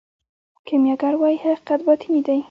کیمیاګر وايي حقیقت باطني دی.